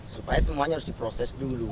supaya semuanya harus diproses dulu